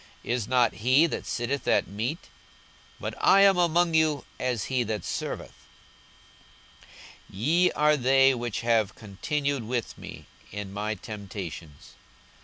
is not he that sitteth at meat? but I am among you as he that serveth. 42:022:028 Ye are they which have continued with me in my temptations.